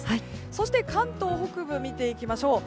そして関東北部を見ていきましょう。